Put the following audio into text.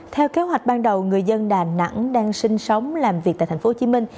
theo kế hoạch ban đầu người dân đà nẵng đang sinh sống làm việc tại thành phố hồ chí minh